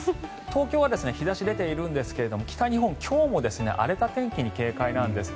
東京は日差し出ているんですが北日本、今日も荒れた天気に警戒なんです。